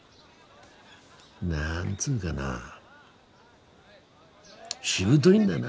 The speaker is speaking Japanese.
何つうがなしぶといんだな。